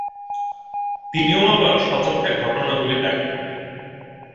তিনিও আবার স্বচক্ষে ঘটনাগুলি দেখেন নাই।